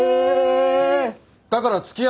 だからつきあ。